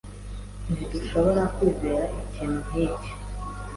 Ntidushobora kwizera ikintu nkiki.